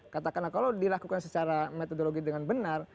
katakanlah kalau dilakukan secara metodologi dengan benar